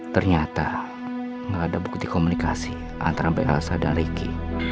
ternyata gak ada bukti komunikasi antara bayasa dan riki